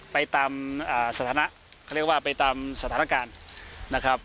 ไปตามสถานะเขาเรียกว่าไปตามสถานการณ์นะครับ